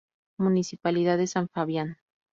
Municipalidad de San Fabián.